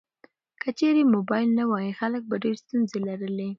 که چیرې موبایل نه وای، خلک به ډیر ستونزې لرلې.